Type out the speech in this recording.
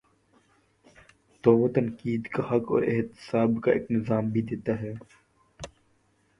تو وہ تنقیدکا حق اور احتساب کا ایک نظام بھی دیتا ہے۔